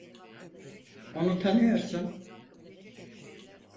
Onu tanıyorsun.